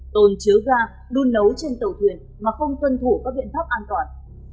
tồn chứa ga đun nấu trên tàu thuyền mà không tuân thủ các biện pháp an toàn